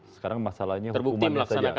sekarang masalahnya hukumannya saja